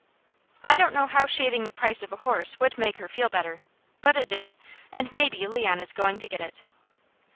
I don't know how shading the price of a horse would make her feel better, but it did, and maybe Leon is going to get it.